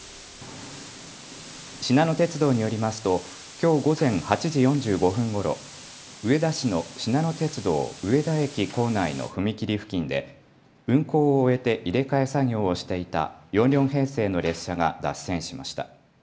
しなの鉄道によりますときょう午前８時４５分ごろ、上田市のしなの鉄道上田駅構内の踏切付近で運行を終えて入れ替え作業をしていた４両編成の列車が脱線しました。